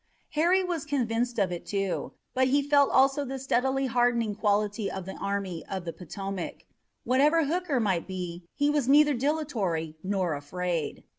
Harry was convinced of it, too, but he felt also the steadily hardening quality of the Army of the Potomac. Whatever Hooker might be he was neither dilatory nor afraid.